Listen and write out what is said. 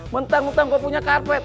bentang bentang kau punya karpet